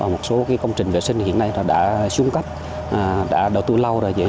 một số cái công trình vệ sinh hiện nay nó đã xung cấp đã đầu tư lâu rồi